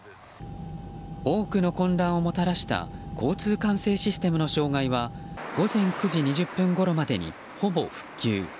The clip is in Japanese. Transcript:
多くの混乱をもたらした交通管制システムの障害は午前９時２０分ごろまでにほぼ復旧。